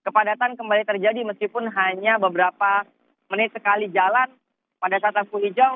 di belakang saya kepadatan kembali terjadi meskipun hanya beberapa menit sekali jalan pada tatapu hijau